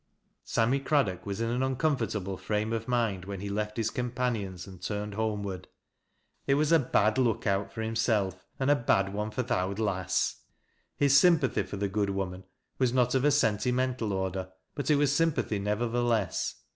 Sammy Craddock was in an uncomfortable frame cJ mind when he left his companions and turned homewwd [fc was a bad iookoat for himself, and a bad one for "tb •'OWD SAMMT" IN TROUBLE. 123 awd lass." His sympathy for the good woman was not oi ^ sentimental order, but il was sympathy nevertheless.